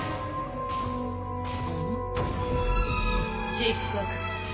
失格。